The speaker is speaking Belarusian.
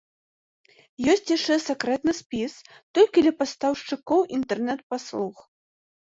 Ёсць яшчэ сакрэтны спіс, толькі для пастаўшчыкоў інтэрнэт-паслуг.